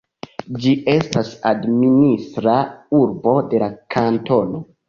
Ĝi estas administra urbo de la kantono.